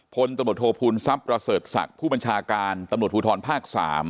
พลตำรวจโทษภูมิทรัพย์ประเสริฐศักดิ์ผู้บัญชาการตำรวจภูทรภาค๓